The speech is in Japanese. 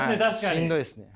しんどいですね。